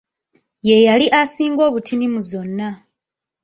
Yeyali asinga obutini mu zonna.